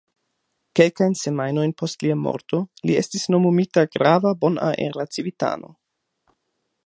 Kelkajn semajnojn post lia morto, li estis nomumita grava bonaera civitano.